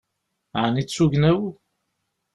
Ɛni d tugna-w?